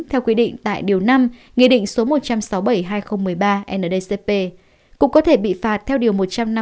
theo quy định tại điều năm nghị định số một trăm sáu mươi bảy hai nghìn một mươi ba ndcp cũng có thể bị phạt theo điều một trăm năm mươi